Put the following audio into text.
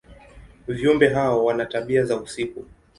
Viumbe hawa wana tabia za usiku.